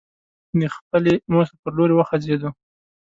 د خپلې موخې پر لوري وخوځېدو.